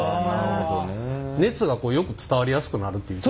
熱がよく伝わりやすくなるっていう。